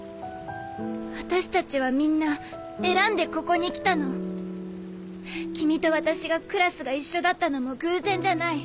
私たちはみんな選んでここに来たの。君と私がクラスが一緒だったのも偶然じゃない。